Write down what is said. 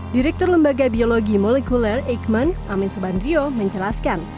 direktur lembaga biologi molekuler eikman amin subandrio menjelaskan